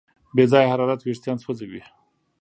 بې ځایه حرارت وېښتيان سوځوي.